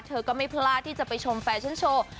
เธอก็ไม่พลาดที่จะไปชมแฟชั่นโชว์